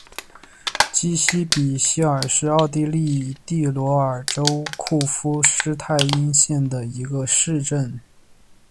基希比希尔是奥地利蒂罗尔州库夫施泰因县的一个市镇。